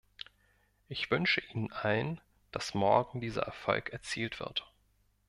Ich wünsche Ihnen allen, dass morgen dieser Erfolg erzielt wird.